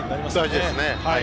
大事ですね。